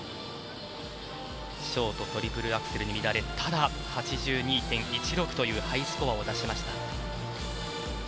ショートトリプルアクセルの乱れただ、８２．１６というハイスコアを出しました。